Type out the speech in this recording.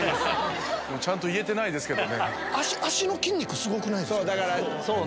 ちゃんと言えてないですけど。